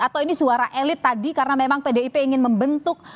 atau ini suara elit tadi karena memang pdip ingin membentuk